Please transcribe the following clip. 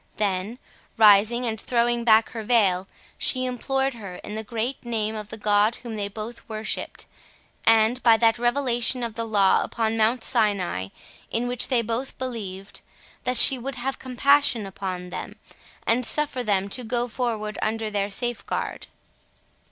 Then rising, and throwing back her veil, she implored her in the great name of the God whom they both worshipped, and by that revelation of the Law upon Mount Sinai, in which they both believed, that she would have compassion upon them, and suffer them to go forward under their safeguard.